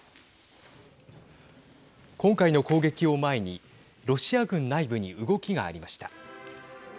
今回の攻撃を前にロシア軍内部に動きがありました。